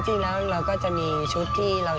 ฉึงจึงจะมีชุดของเดือนชาวที่ชอบ